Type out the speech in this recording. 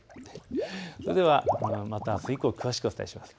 それではまたあす以降詳しくお伝えします。